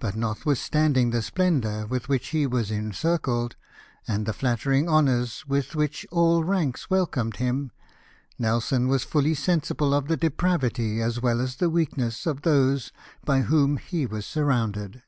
But notwithstanding the splendour with which he was encircled, and the flattering honours with Avhich all ranks welcomed him, Nelson was full}^ sensible of the depravity, as well as weakness, of those by whom he was sur rounded.